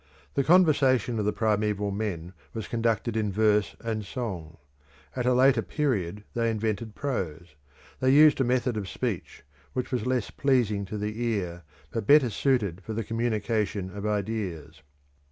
The conversation of the primeval men was conducted in verse and song; at a later period they invented prose; they used a method of speech which was less pleasing to the ear, but better suited for the communication of ideas.